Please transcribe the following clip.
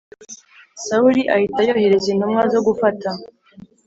Sawuli ahita yohereza intumwa zo gufata